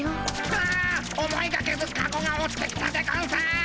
あ思いがけずカゴが落ちてきたでゴンス。